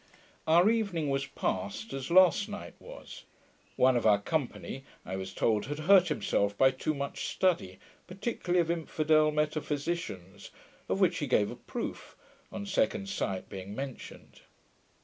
Our evening was passed as last night was. One of our company, I was told, had hurt himself by too much study, particularly of infidel metaphysicians, of which he gave a proof, on second sight being mentioned.